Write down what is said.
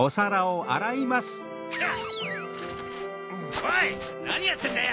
おいなにやってんだよ？